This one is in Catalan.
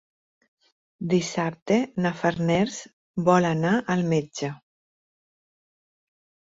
Dissabte na Farners vol anar al metge.